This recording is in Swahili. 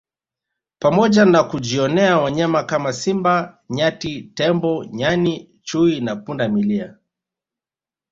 pamoja na kujionea wanyama kama Simba Nyati Tembo Nyani Chui na Pundamilia